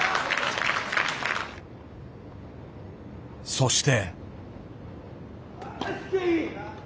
そして。